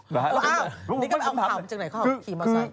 อุ๊ยอ้าวนี่ก็เอาผัวจากไหนเขา